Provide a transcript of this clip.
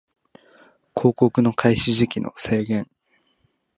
広告の開始時期の制限